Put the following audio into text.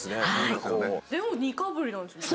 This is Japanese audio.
でも２かぶりなんですもんね。